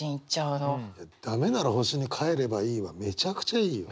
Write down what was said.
「ダメなら星に帰ればいい」はめちゃくちゃいいよ。